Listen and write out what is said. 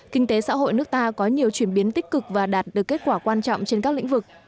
kinh tế xã hội nước ta có nhiều chuyển biến tích cực và đạt được kết quả quan trọng trên các lĩnh vực